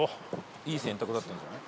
「いい選択だったんじゃない？」